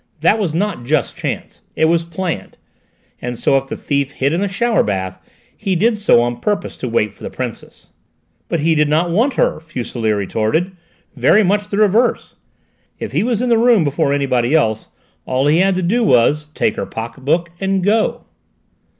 That was not just chance, it was planned; and so if the thief hid in the shower bath he did so on purpose to wait for the Princess." "But he did not want her!" Fuselier retorted: "very much the reverse. If he was in the room before anybody else, all he had to do was, take the pocket book and go!"